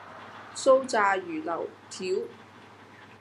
酥炸魚柳條